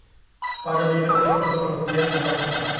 Pada bibir orang berpengertian terdapat hikmat